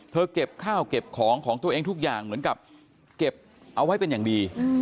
เก็บข้าวเก็บของของตัวเองทุกอย่างเหมือนกับเก็บเอาไว้เป็นอย่างดี